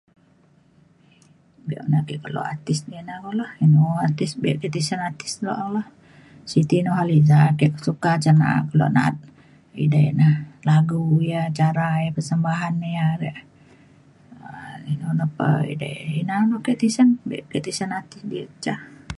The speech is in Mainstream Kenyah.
Be na ake kelo artis ni na kulo mung artis be ke tisen artis la’a lah. Siti Nurhaliza ke suka cen na’a kelo na’at edei na lagu ia’ cara ia’ persembahan ne ya re um inu na pa edei ina na ke tisen. Be ke tisen artis diak ca.